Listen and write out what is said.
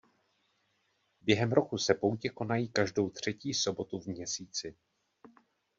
Během roku se poutě konají každou třetí sobotu v měsíci.